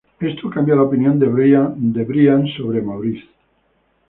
Esto cambia la opinión de Brian sobre Maurice.